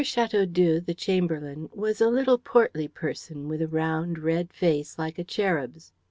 Chateaudoux, the chamberlain, was a little portly person with a round, red face like a cherub's.